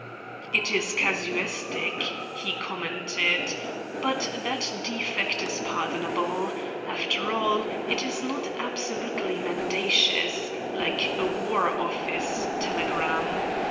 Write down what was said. "It is casuistic," he commented, "but that defect is pardonable. After all, it is not absolutely mendacious, like a War Office telegram.